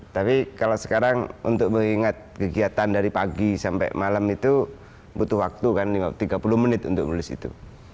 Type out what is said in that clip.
tapi kalau sekarang untuk mengingat kegiatan dari pagi sampai malam itu butuh waktu kan tiga puluh menit untuk menulis itu